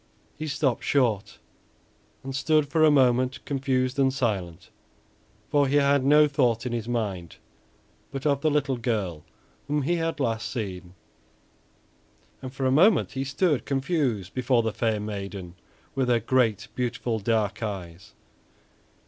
He stopped short and stood for a moment confused and silent; for he had no thought in his mind but of the little girl whom he had last seen, and for a moment he stood confused before the fair maiden with her great, beautiful dark eyes.